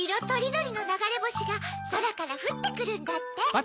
とりどりのながれぼしがそらからふってくるんだって。